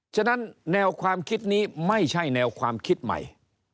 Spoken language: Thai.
ฉะนั้นแนวความคิดนี้ไม่ใช่แนวความคิดใหม่